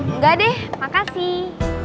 enggak deh makasih